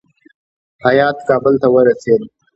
هیات کابل ته ورسېد.